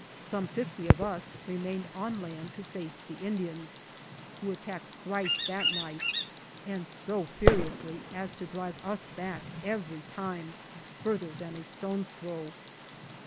Some fifty of us remained on land to face the Indians, who attacked thrice that night, and so furiously as to drive us back every time further than a strone's throw.